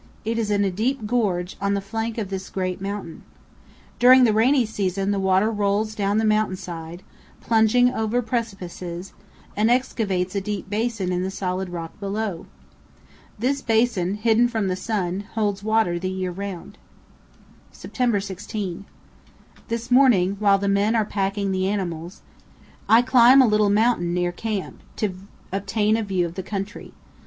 It is in a deep gorge on the flank of this great mountain. During the rainy season the water rolls down the mountain side, plunging over precipices, and excavates a deep basin in the solid rock below. This basin, hidden from the sun, holds water the year round. September 16. This morning, while the men are packing the animals, I climb a little mountain near camp, to obtain a view of the country.